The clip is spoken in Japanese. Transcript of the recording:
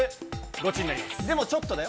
でもちょっとだよ。